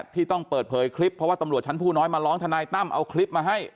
ที่ต้องเปิดเผยคลิปเพราะว่าตำรวจชั้นผู้น้อยมาร้องทนายตั้มเอาคลิปมาให้